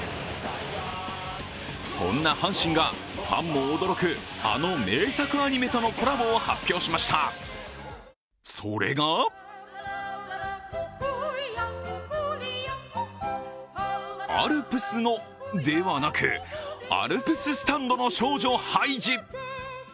そんな阪神がファンも驚く、あの名作アニメとのコラボを発表しました、それがアルプスのではなくアルプススタンドの少女ハイジ。